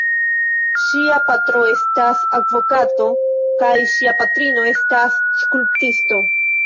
Ŝia patro estas advokato kaj ŝia patrino estas skulptisto.